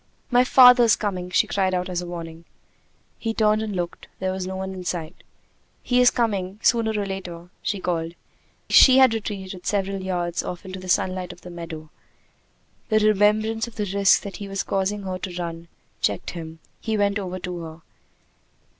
"My father's coming!" she cried out as a warning. He turned and looked: there was no one in sight. "He is coming sooner or later!" she called. She had retreated several yards off into the sunlight of the meadow. The remembrance of the risk that he was causing her to run checked him. He went over to her.